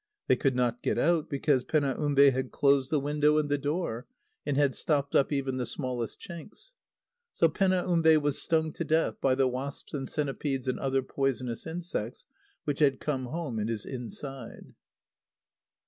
They could not get out, because Penaumbe had closed the window and the door, and had stopped up even the smallest chinks. So Penaumbe was stung to death by the wasps and centipedes and other poisonous insects which had come home in his inside.